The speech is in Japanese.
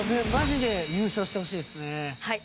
はい。